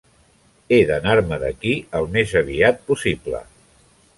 He d'anar-me d'aquí el més aviat possible.